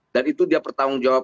dan itu dia pertanggung jawab